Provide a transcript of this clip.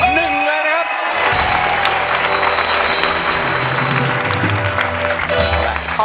หนึ่งแล้วนะครับ